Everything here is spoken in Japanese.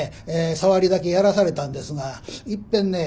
さわりだけやらされたんですがいっぺんね